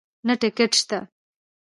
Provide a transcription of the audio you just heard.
نه ټکټ شته